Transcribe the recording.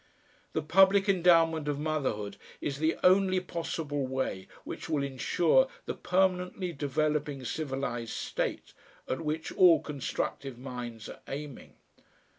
The public Endowment of Motherhood is the only possible way which will ensure the permanently developing civilised state at which all constructive minds are aiming.